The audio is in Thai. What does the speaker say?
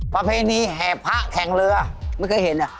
ประเพณีแห่พระแข่งเรือไม่เคยเห็นอ่ะ